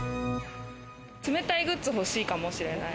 冷たいグッズ欲しいかもしれない。